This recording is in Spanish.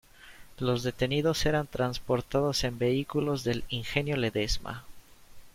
Los detenidos eran transportados en vehículos del Ingenio Ledesma.